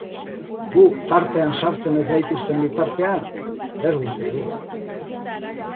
Gu tartean sartzen ez gaituzten bitartean, berdin zaigu.